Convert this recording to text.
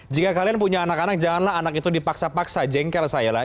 jika kalian punya anak anak janganlah anak itu dipaksa paksa jengkel saya lah